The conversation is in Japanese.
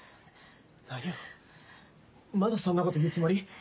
何をまだそんなこと言うつもり？